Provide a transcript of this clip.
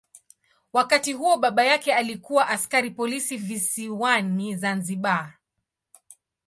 Wakati huo baba yake alikuwa askari polisi visiwani Zanzibar.